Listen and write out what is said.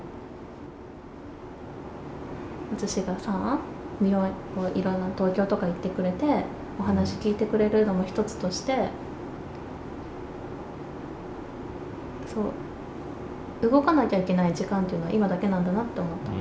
篤司がさ、東京とか行ってくれて、お話聞いてくれるのも一つとして、動かなきゃいけない時間っていうのは、今だけなんだなって思った。